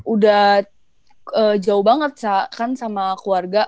udah jauh banget kan sama keluarga